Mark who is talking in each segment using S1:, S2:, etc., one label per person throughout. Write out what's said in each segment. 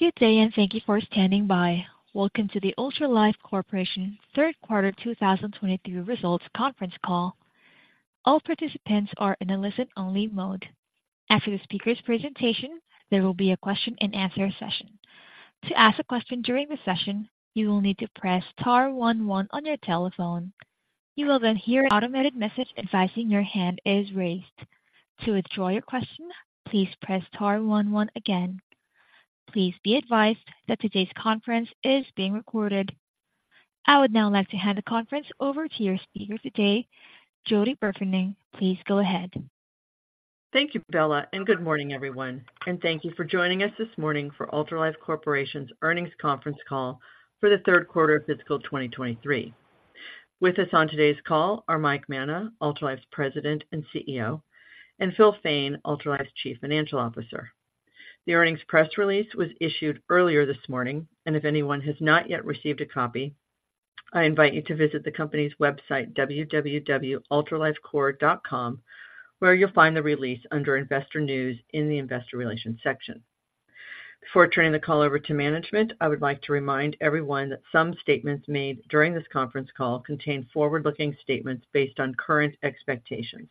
S1: Good day, and thank you for standing by. Welcome to the Ultralife Corporation Third Quarter 2023 Results Conference Call. All participants are in a listen-only mode. After the speaker's presentation, there will be a question-and-answer session. To ask a question during the session, you will need to press star one on your telephone. You will then hear an automated message advising your hand is raised. To withdraw your question, please press star one one again. Please be advised that today's conference is being recorded. I would now like to hand the conference over to your speaker today, Jody Burfening. Please go ahead.
S2: Thank you, Bella, and good morning, everyone, and thank you for joining us this morning for Ultralife Corporation's Earnings Conference Call for the Third Quarter of Fiscal 2023. With us on today's call are Mike Manna, Ultralife's President and CEO, and Phil Fain, Ultralife's Chief Financial Officer. The earnings press release was issued earlier this morning, and if anyone has not yet received a copy, I invite you to visit the company's website, www.ultralifecorp.com, where you'll find the release under Investor News in the Investor Relations section. Before turning the call over to management, I would like to remind everyone that some statements made during this conference call contain forward-looking statements based on current expectations.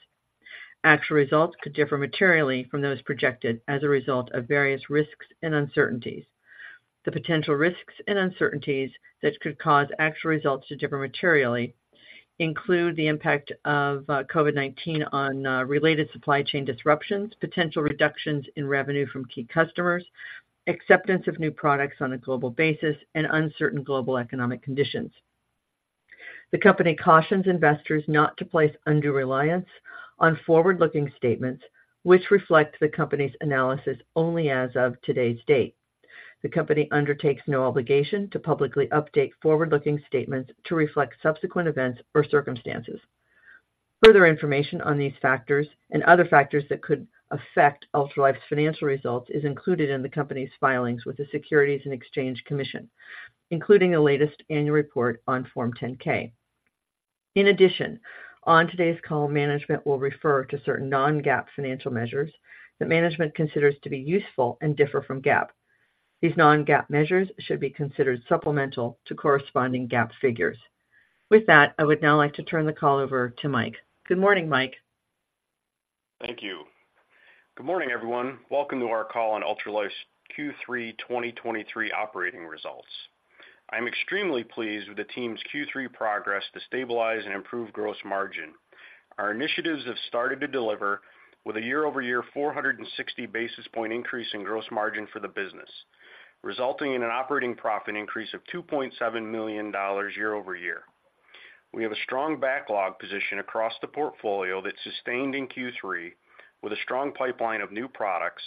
S2: Actual results could differ materially from those projected as a result of various risks and uncertainties. The potential risks and uncertainties that could cause actual results to differ materially include the impact of, COVID-19 on, related supply chain disruptions, potential reductions in revenue from key customers, acceptance of new products on a global basis, and uncertain global economic conditions. The company cautions investors not to place undue reliance on forward-looking statements, which reflect the company's analysis only as of today's date. The company undertakes no obligation to publicly update forward-looking statements to reflect subsequent events or circumstances. Further information on these factors and other factors that could affect Ultralife's financial results is included in the company's filings with the Securities and Exchange Commission, including the latest annual report on Form 10-K. In addition, on today's call, management will refer to certain non-GAAP financial measures that management considers to be useful and differ from GAAP. These non-GAAP measures should be considered supplemental to corresponding GAAP figures. With that, I would now like to turn the call over to Mike. Good morning, Mike.
S3: Thank you. Good morning, everyone. Welcome to our call on Ultralife's Q3 2023 operating results. I'm extremely pleased with the team's Q3 progress to stabilize and improve gross margin. Our initiatives have started to deliver with a year-over-year 460 basis point increase in gross margin for the business, resulting in an operating profit increase of $2.7 million year-over-year. We have a strong backlog position across the portfolio that sustained in Q3, with a strong pipeline of new products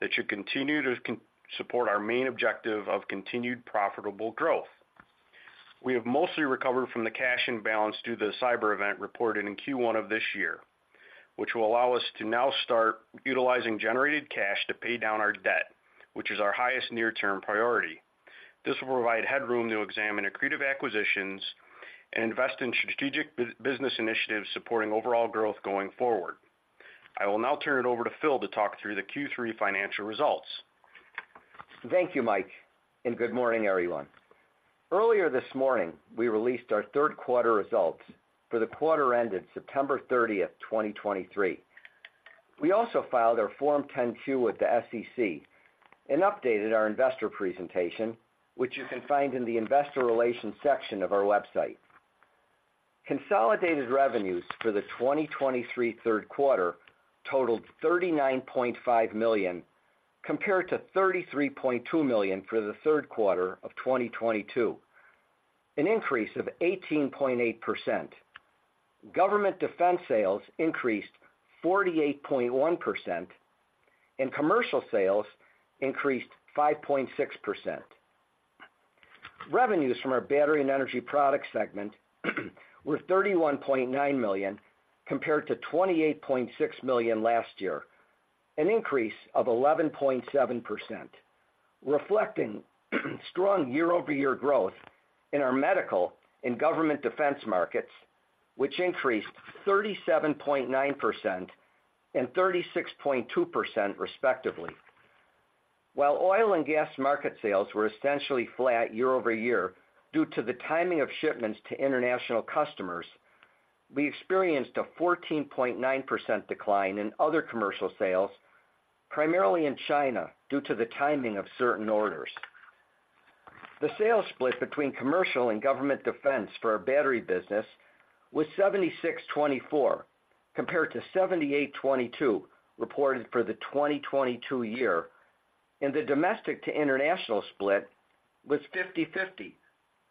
S3: that should continue to support our main objective of continued profitable growth. We have mostly recovered from the cash imbalance due to the cyber event reported in Q1 of this year, which will allow us to now start utilizing generated cash to pay down our debt, which is our highest near-term priority. This will provide headroom to examine accretive acquisitions and invest in strategic business initiatives supporting overall growth going forward. I will now turn it over to Phil to talk through the Q3 financial results.
S4: Thank you, Mike, and good morning, everyone. Earlier this morning, we released our third quarter results for the quarter ended September 30th, 2023. We also filed our Form 10-Q with the SEC and updated our investor presentation, which you can find in the Investor Relations section of our website. Consolidated revenues for the 2023 third quarter totaled $39.5 million, compared to $33.2 million for the third quarter of 2022, an increase of 18.8%. Government defense sales increased 48.1%, and commercial sales increased 5.6%. Revenues from our battery and energy products segment were $31.9 million, compared to $28.6 million last year, an increase of 11.7%, reflecting strong year-over-year growth in our medical and government defense markets, which increased 37.9% and 36.2%, respectively. While oil and gas market sales were essentially flat year-over-year due to the timing of shipments to international customers, we experienced a 14.9% decline in other commercial sales, primarily in China, due to the timing of certain orders. The sales split between commercial and government defense for our battery business was 76/24, compared to 78/22, reported for the 2022 year, and the domestic to international split was 50/50,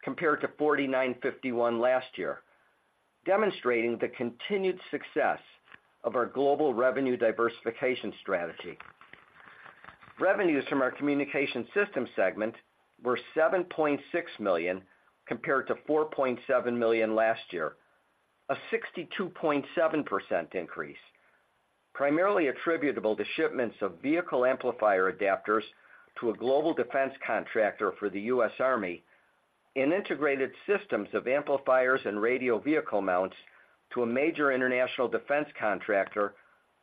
S4: compared to 49/51 last year, demonstrating the continued success of our global revenue diversification strategy. Revenues from our communication system segment were $7.6 million, compared to $4.7 million last year, a 62.7% increase, primarily attributable to shipments of vehicle amplifier adapters to a global defense contractor for the U.S. Army in integrated systems of amplifiers and radio vehicle mounts to a major international defense contractor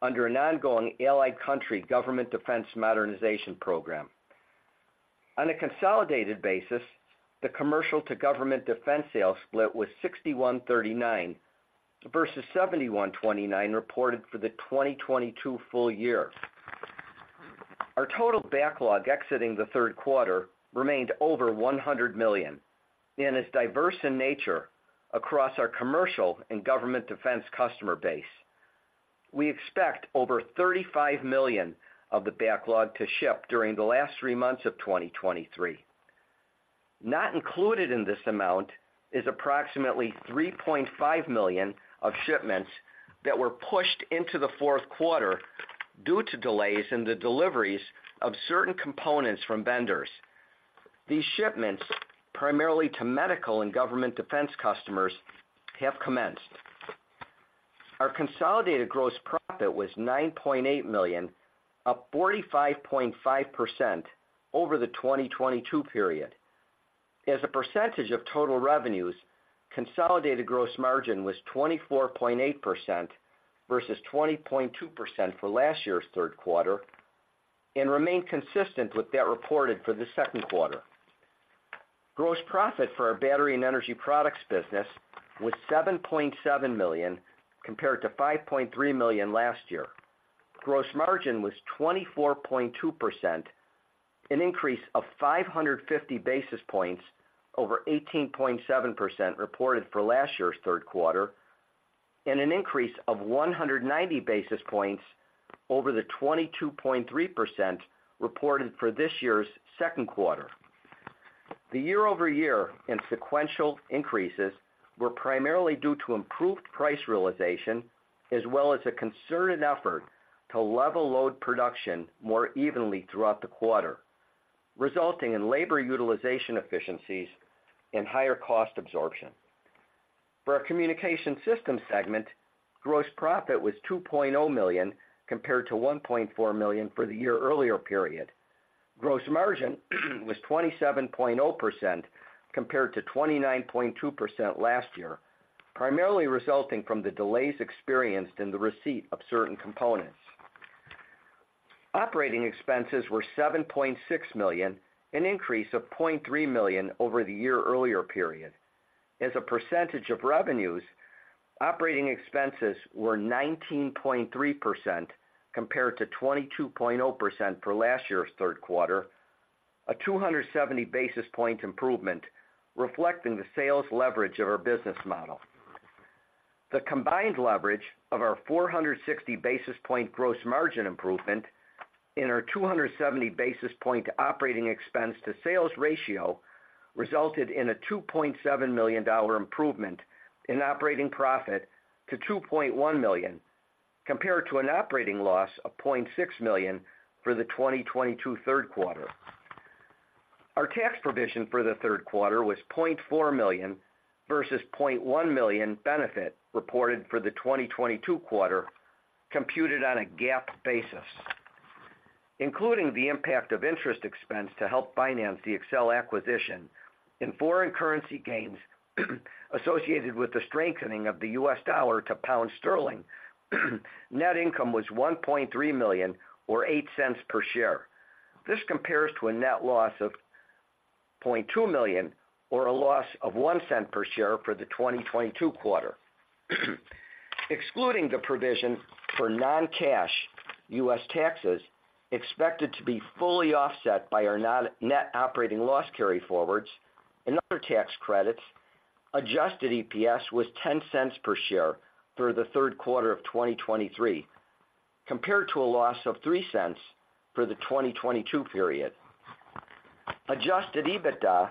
S4: under an ongoing allied country government defense modernization program. On a consolidated basis, the commercial to government defense sales split was 61/39, versus 71/29, reported for the 2022 full year. Our total backlog exiting the third quarter remained over $100 million and is diverse in nature across our commercial and government defense customer base. We expect over $35 million of the backlog to ship during the last three months of 2023. Not included in this amount is approximately $3.5 million of shipments that were pushed into the fourth quarter due to delays in the deliveries of certain components from vendors. These shipments, primarily to medical and government defense customers, have commenced. Our consolidated gross profit was $9.8 million, up 45.5% over the 2022 period. As a percentage of total revenues, consolidated gross margin was 24.8% versus 20.2% for last year's third quarter, and remained consistent with that reported for the second quarter. Gross profit for our battery and energy products business was $7.7 million, compared to $5.3 million last year. Gross margin was 24.2%, an increase of 550 basis points over 18.7% reported for last year's third quarter, and an increase of 190 basis points over the 22.3% reported for this year's second quarter. The year-over-year and sequential increases were primarily due to improved price realization, as well as a concerted effort to level load production more evenly throughout the quarter, resulting in labor utilization efficiencies and higher cost absorption. For our communication system segment, gross profit was $2.0 million, compared to $1.4 million for the year earlier period. Gross margin was 27.0%, compared to 29.2% last year, primarily resulting from the delays experienced in the receipt of certain components. Operating expenses were $7.6 million, an increase of $0.3 million over the year-earlier period. As a percentage of revenues, operating expenses were 19.3%, compared to 22.0% for last year's third quarter, a 270 basis point improvement, reflecting the sales leverage of our business model. The combined leverage of our 460 basis point gross margin improvement and our 270 basis point operating expense to sales ratio, resulted in a $2.7 million improvement in operating profit to $2.1 million, compared to an operating loss of $0.6 million for the 2022 third quarter. Our tax provision for the third quarter was $0.4 million versus $0.1 million benefit reported for the 2022 quarter, computed on a GAAP basis. Including the impact of interest expense to help finance the Excell acquisition and foreign currency gains associated with the strengthening of the U.S. dollar to pound sterling, net income was $1.3 million, or $0.08 per share. This compares to a net loss of $0.2 million, or a loss of $0.01 per share for the 2022 quarter. Excluding the provision for non-cash U.S. taxes, expected to be fully offset by our net operating loss carryforwards and other tax credits, adjusted EPS was $0.10 per share for the third quarter of 2023, compared to a loss of $0.03 for the 2022 period. Adjusted EBITDA,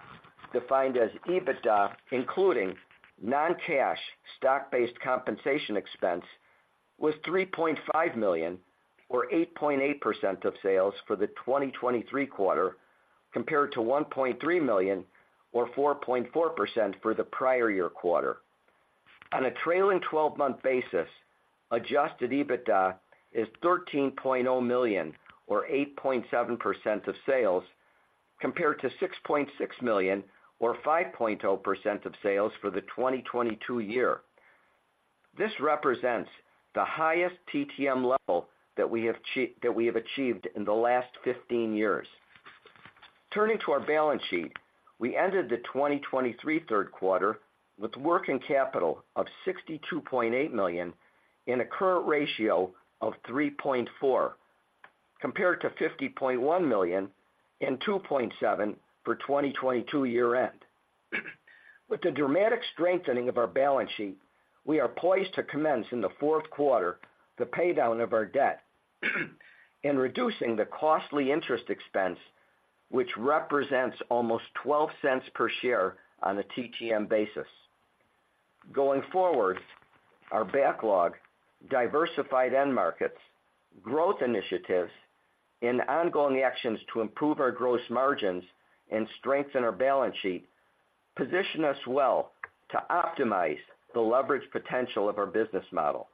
S4: defined as EBITDA, including non-cash stock-based compensation expense, was $3.5 million, or 8.8% of sales for the 2023 quarter, compared to $1.3 million, or 4.4% for the prior year quarter. On a trailing 12-month basis, Adjusted EBITDA is $13.0 million, or 8.7% of sales, compared to $6.6 million, or 5.0% of sales for the 2022 year. This represents the highest TTM level that we have that we have achieved in the last 15 years. Turning to our balance sheet, we ended the 2023 third quarter with working capital of $62.8 million, and a current ratio of 3.4, compared to $50.1 million and 2.7 for 2022 year-end. With the dramatic strengthening of our balance sheet, we are poised to commence in the fourth quarter, the paydown of our debt, and reducing the costly interest expense, which represents almost $0.12 per share on a TTM basis. Going forward, our backlog, diversified end markets, growth initiatives, and ongoing actions to improve our gross margins and strengthen our balance sheet, position us well to optimize the leverage potential of our business model.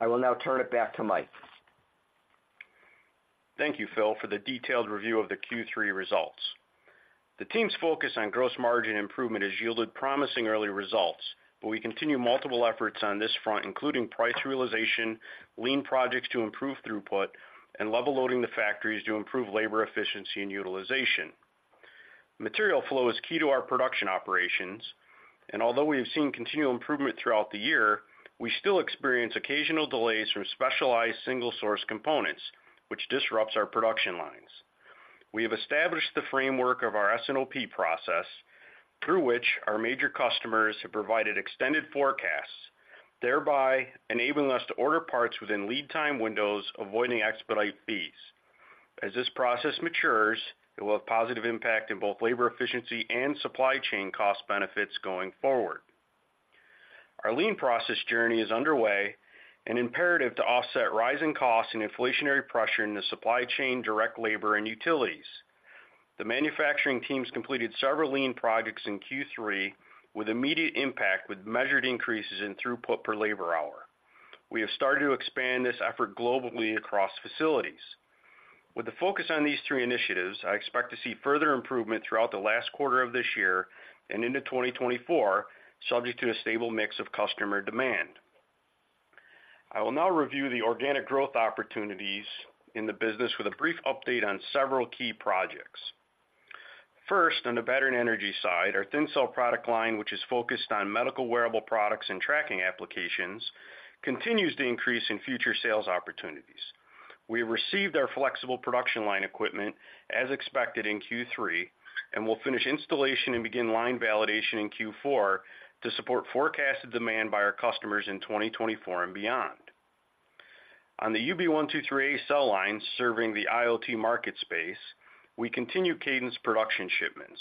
S4: I will now turn it back to Mike....
S3: Thank you, Phil, for the detailed review of the Q3 results. The team's focus on gross margin improvement has yielded promising early results, but we continue multiple efforts on this front, including price realization, lean projects to improve throughput, and level loading the factories to improve labor efficiency and utilization. Material flow is key to our production operations, and although we have seen continual improvement throughout the year, we still experience occasional delays from specialized single-source components, which disrupts our production lines. We have established the framework of our S&OP process, through which our major customers have provided extended forecasts, thereby enabling us to order parts within lead time windows, avoiding expedite fees. As this process matures, it will have positive impact in both labor efficiency and supply chain cost benefits going forward. Our lean process journey is underway and imperative to offset rising costs and inflationary pressure in the supply chain, direct labor, and utilities. The manufacturing teams completed several lean projects in Q3 with immediate impact, with measured increases in throughput per labor hour. We have started to expand this effort globally across facilities. With the focus on these three initiatives, I expect to see further improvement throughout the last quarter of this year and into 2024, subject to a stable mix of customer demand. I will now review the organic growth opportunities in the business with a brief update on several key projects. First, on the battery and energy side, our Thin Cell product line, which is focused on medical wearable products and tracking applications, continues to increase in future sales opportunities. We have received our flexible production line equipment as expected in Q3, and we'll finish installation and begin line validation in Q4 to support forecasted demand by our customers in 2024 and beyond. On the UB123A cell line, serving the IoT market space, we continue cadence production shipments.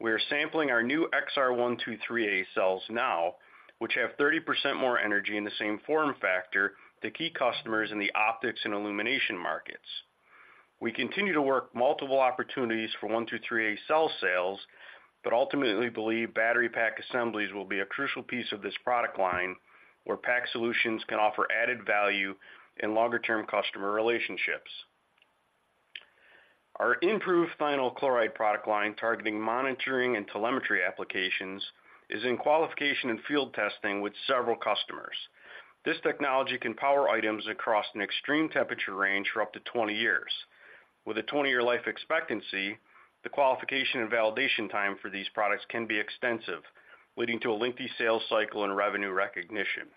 S3: We are sampling our new XR123A cells now, which have 30% more energy in the same form factor to key customers in the optics and illumination markets. We continue to work multiple opportunities for 123A cell sales, but ultimately believe battery pack assemblies will be a crucial piece of this product line, where pack solutions can offer added value and longer-term customer relationships. Our improved thionyl chloride product line, targeting monitoring and telemetry applications, is in qualification and field testing with several customers. This technology can power items across an extreme temperature range for up to 20 years. With a 20-year life expectancy, the qualification and validation time for these products can be extensive, leading to a lengthy sales cycle and revenue recognition.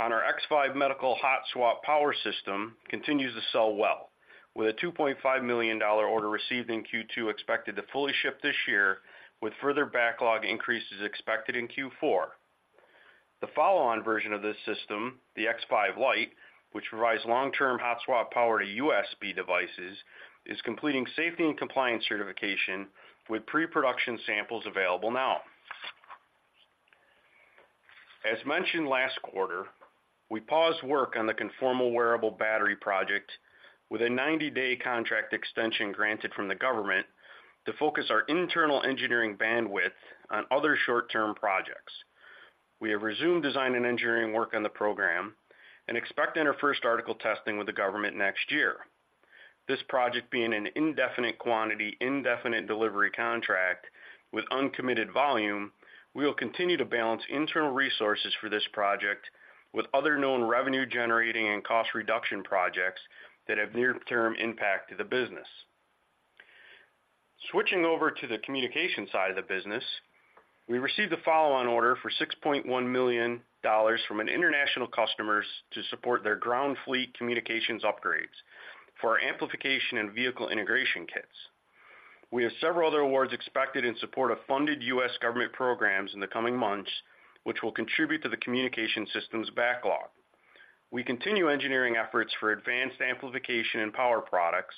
S3: On our X5 medical hot swap power system, continues to sell well, with a $2.5 million order received in Q2, expected to fully ship this year, with further backlog increases expected in Q4. The follow-on version of this system, the X5 Lite, which provides long-term hot swap power to USB devices, is completing safety and compliance certification with pre-production samples available now. As mentioned last quarter, we paused work on the conformal wearable battery project with a 90-day contract extension granted from the government to focus our internal engineering bandwidth on other short-term projects. We have resumed design and engineering work on the program and expect to enter first article testing with the government next year. This project being an indefinite quantity, indefinite delivery contract with uncommitted volume, we will continue to balance internal resources for this project with other known revenue-generating and cost reduction projects that have near-term impact to the business. Switching over to the communication side of the business, we received a follow-on order for $6.1 million from an international customers to support their ground fleet communications upgrades for our amplification and vehicle integration kits. We have several other awards expected in support of funded U.S. government programs in the coming months, which will contribute to the communication systems backlog. We continue engineering efforts for advanced amplification and power products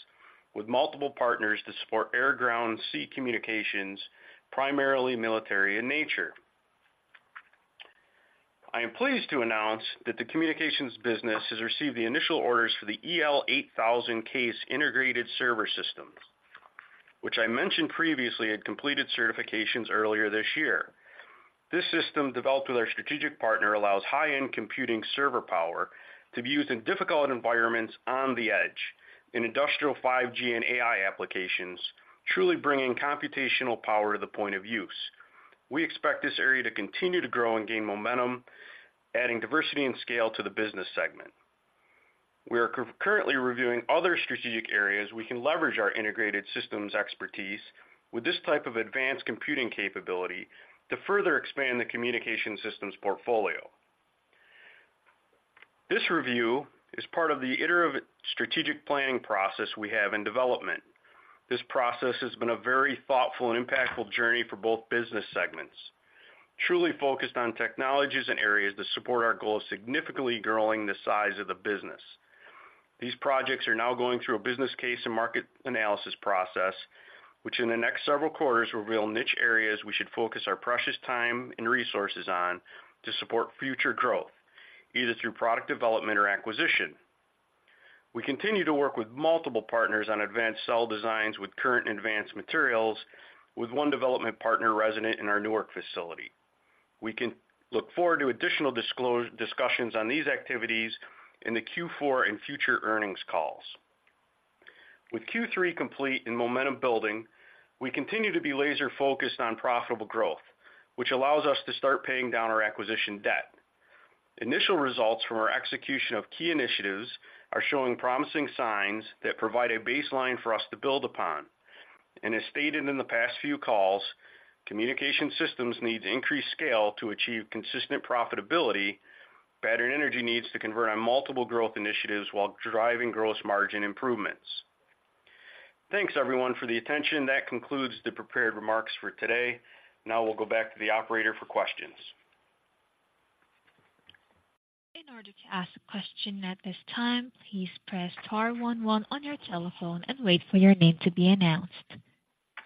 S3: with multiple partners to support air, ground, sea communications, primarily military in nature. I am pleased to announce that the communications business has received the initial orders for the EL8000 case integrated server systems, which, I mentioned previously, had completed certifications earlier this year. This system, developed with our strategic partner, allows high-end computing server power to be used in difficult environments on the edge, in industrial 5G and AI applications, truly bringing computational power to the point of use. We expect this area to continue to grow and gain momentum, adding diversity and scale to the business segment. We are currently reviewing other strategic areas we can leverage our integrated systems expertise with this type of advanced computing capability to further expand the communication systems portfolio. This review is part of the iterative strategic planning process we have in development. This process has been a very thoughtful and impactful journey for both business segments, truly focused on technologies and areas that support our goal of significantly growing the size of the business. These projects are now going through a business case and market analysis process, which in the next several quarters, will reveal niche areas we should focus our precious time and resources on to support future growth, either through product development or acquisition. We continue to work with multiple partners on advanced cell designs with current and advanced materials, with one development partner resident in our Newark facility. We can look forward to additional discussions on these activities in the Q4 and future earnings calls. With Q3 complete and momentum building, we continue to be laser-focused on profitable growth, which allows us to start paying down our acquisition debt. Initial results from our execution of key initiatives are showing promising signs that provide a baseline for us to build upon. As stated in the past few calls, communication systems need increased scale to achieve consistent profitability. Battery energy needs to convert on multiple growth initiatives while driving gross margin improvements. Thanks, everyone, for the attention. That concludes the prepared remarks for today. Now we'll go back to the Operator for questions.
S1: In order to ask a question at this time, please press star one one on your telephone and wait for your name to be announced.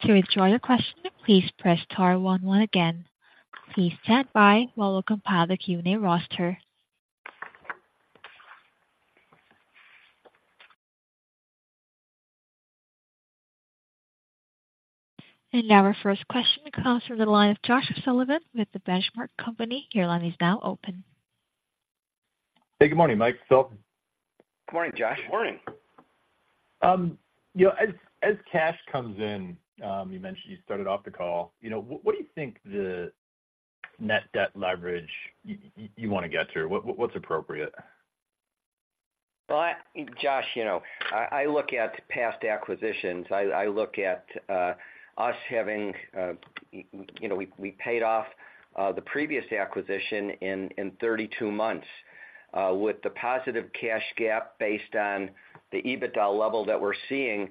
S1: To withdraw your question, please press star one one again. Please stand by while we compile the Q&A roster. Now our first question comes from the line of Josh Sullivan with The Benchmark Company. Your line is now open.
S5: Hey, good morning, Mike, Sullivan.
S4: Good morning, Josh.
S3: Morning!
S5: You know, as cash comes in, you mentioned you started off the call. You know, what do you think the net debt leverage you want to get to? What’s appropriate?
S4: Well, Josh, you know, I look at past acquisitions. I look at us having, you know, we paid off the previous acquisition in 32 months with the positive cash gap based on the EBITDA level that we're seeing.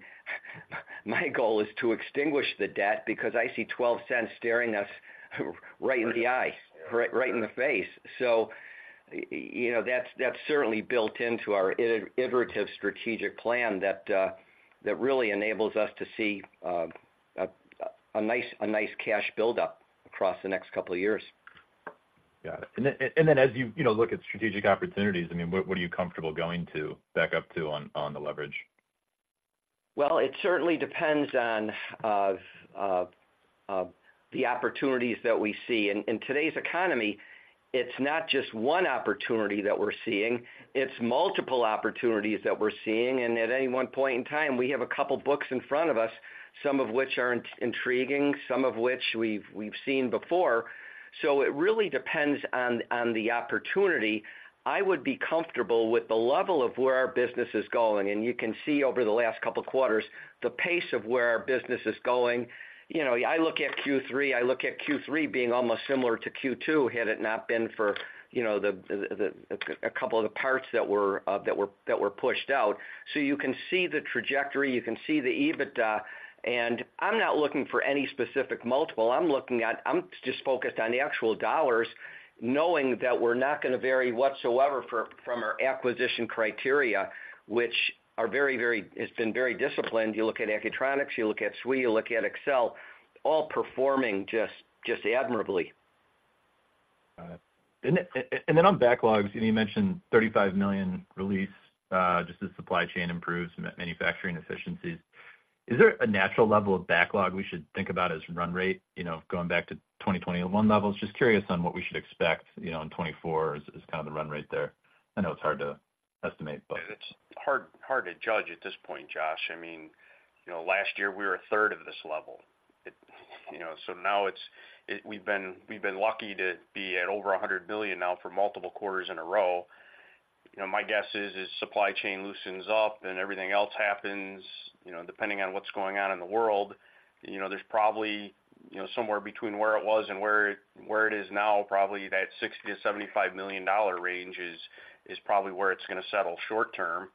S4: My goal is to extinguish the debt because I see $0.12 staring us right in the eye, right in the face. So, you know, that's certainly built into our iterative strategic plan that really enables us to see a nice cash buildup across the next couple of years.
S5: Got it. And then as you, you know, look at strategic opportunities, I mean, what, what are you comfortable going to back up to on, on the leverage?
S4: Well, it certainly depends on the opportunities that we see. In today's economy, it's not just one opportunity that we're seeing, it's multiple opportunities that we're seeing, and at any one point in time, we have a couple books in front of us, some of which are intriguing, some of which we've seen before. So it really depends on the opportunity. I would be comfortable with the level of where our business is going, and you can see over the last couple of quarters, the pace of where our business is going. You know, I look at Q3, I look at Q3 being almost similar to Q2, had it not been for, you know, a couple of the parts that were pushed out. So you can see the trajectory, you can see the EBITDA, and I'm not looking for any specific multiple. I'm looking at... I'm just focused on the actual dollars, knowing that we're not going to vary whatsoever from our acquisition criteria, which are very, very... It's been very disciplined. You look at Accutronics, you look at SWE, you look at Excell, all performing just, just admirably.
S5: Got it. And then on backlogs, and you mentioned $35 million release, just as supply chain improves manufacturing efficiencies. Is there a natural level of backlog we should think about as run rate, you know, going back to 2021 levels? Just curious on what we should expect, you know, in 2024 as kind of the run rate there. I know it's hard to estimate, but.
S3: It's hard to judge at this point, Josh. I mean, you know, last year we were a third of this level. It, you know, so now it's, it—we've been lucky to be at over $100 billion now for multiple quarters in a row. You know, my guess is supply chain loosens up and everything else happens, you know, depending on what's going on in the world, you know, there's probably, you know, somewhere between where it was and where it, where it is now, probably that $60 million-$75 million range is probably where it's going to settle short term,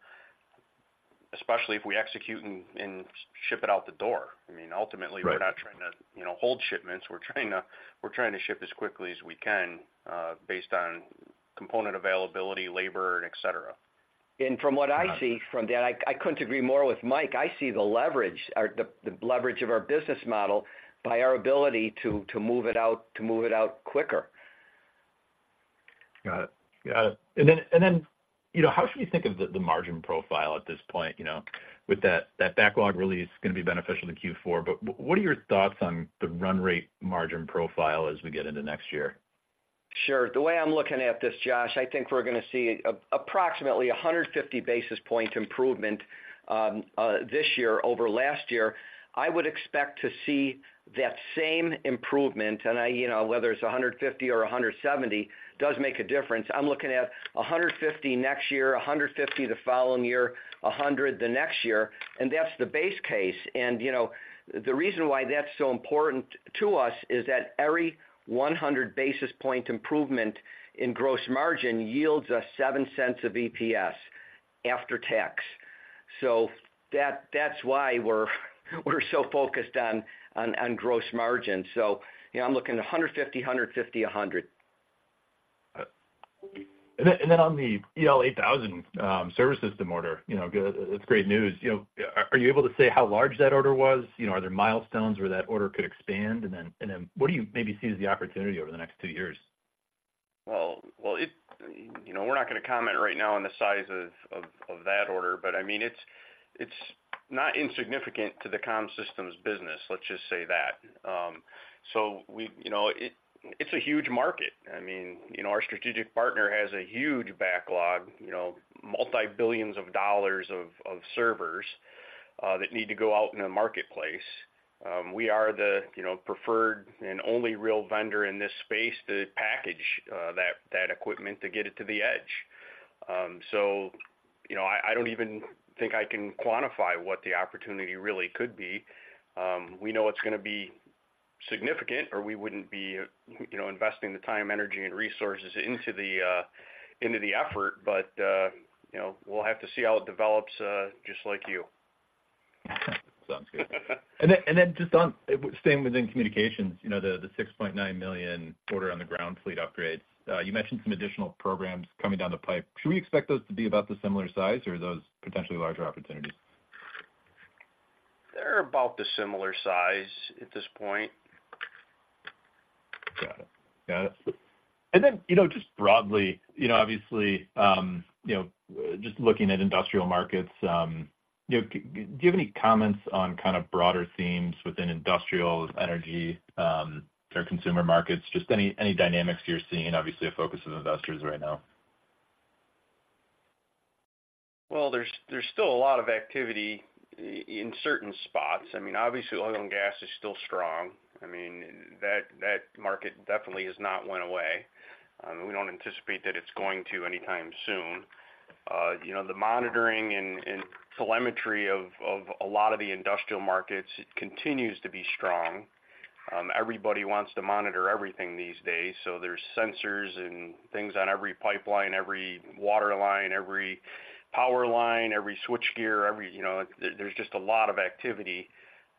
S3: especially if we execute and ship it out the door. I mean, ultimately-
S5: Right.
S3: We're not trying to, you know, hold shipments. We're trying to, we're trying to ship as quickly as we can, based on component availability, labor, and et cetera.
S4: From what I see from that, I couldn't agree more with Mike. I see the leverage of our business model by our ability to move it out quicker.
S5: Got it. And then, you know, how should we think of the margin profile at this point, you know, with that backlog release is going to be beneficial to Q4, but what are your thoughts on the run rate margin profile as we get into next year?
S4: Sure. The way I'm looking at this, Josh, I think we're going to see approximately 150 basis point improvement this year over last year. I would expect to see that same improvement, and I, you know, whether it's 150 or 170, does make a difference. I'm looking at 150 next year, 150 the following year, 100 the next year, and that's the base case. And, you know, the reason why that's so important to us is that every 100 basis point improvement in gross margin yields us $0.07 EPS after tax. So that's why we're, we're so focused on, on, on gross margin. So, you know, I'm looking at 150, 150, 100.
S5: And then, and then on the EL8000 service system order, you know, it's great news. You know, are you able to say how large that order was? You know, are there milestones where that order could expand? And then, and then, what do you maybe see as the opportunity over the next two years?
S3: Well, you know, we're not going to comment right now on the size of that order, but I mean, it's not insignificant to the comm systems business. Let's just say that. So we, you know, it's a huge market. I mean, you know, our strategic partner has a huge backlog, you know, multi-billions of dollars of servers that need to go out in the marketplace. We are the, you know, preferred and only real vendor in this space to package that equipment to get it to the edge. So, you know, I don't even think I can quantify what the opportunity really could be. We know it's going to be significant, or we wouldn't be, you know, investing the time, energy, and resources into the effort. You know, we'll have to see how it develops, just like you.
S5: Sounds good. And then just on, staying within communications, you know, the $6.9 million order on the ground fleet upgrade, you mentioned some additional programs coming down the pipe. Should we expect those to be about the similar size, or are those potentially larger opportunities?
S3: They're about the similar size at this point.
S5: Got it. Got it. And then, you know, just broadly, you know, obviously, you know, just looking at industrial markets, you know, do you have any comments on kind of broader themes within industrials, energy, or consumer markets? Just any dynamics you're seeing, obviously, a focus of investors right now.
S3: Well, there's still a lot of activity in certain spots. I mean, obviously, oil and gas is still strong. I mean, that market definitely has not went away, and we don't anticipate that it's going to anytime soon. You know, the monitoring and telemetry of a lot of the industrial markets continues to be strong. Everybody wants to monitor everything these days, so there's sensors and things on every pipeline, every water line, every power line, every switch gear, you know, there's just a lot of activity.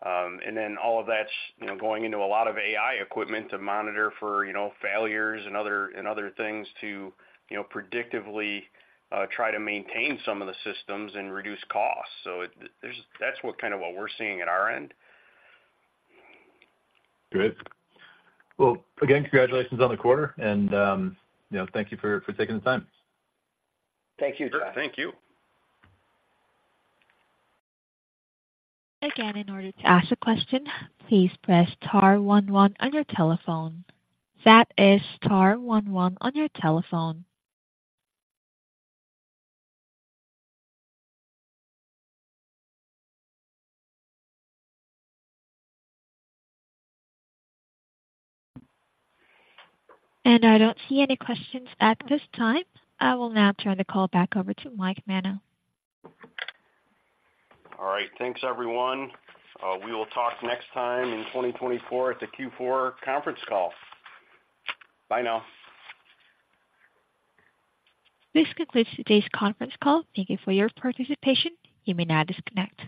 S3: And then all of that's, you know, going into a lot of AI equipment to monitor for, you know, failures and other things to, you know, predictively try to maintain some of the systems and reduce costs. So that's kind of what we're seeing at our end.
S5: Good. Well, again, congratulations on the quarter, and, you know, thank you for taking the time.
S3: Thank you, Josh.
S5: Thank you.
S1: Again, in order to ask a question, please press star one one on your telephone. That is star one one on your telephone. I don't see any questions at this time. I will now turn the call back over to Mike Manna.
S3: All right. Thanks, everyone. We will talk next time in 2024 at the Q4 conference call. Bye now.
S1: This concludes today's conference call. Thank you for your participation. You may now disconnect.